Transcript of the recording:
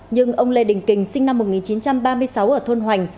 nhưng ông lê đình kình sinh năm một nghìn chín trăm ba mươi sáu ở thôn hoành